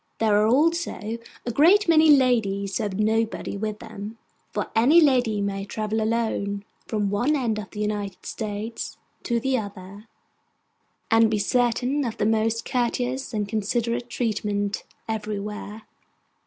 There are also a great many ladies who have nobody with them: for any lady may travel alone, from one end of the United States to the other, and be certain of the most courteous and considerate treatment everywhere.